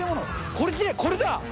これでぃ、これだ。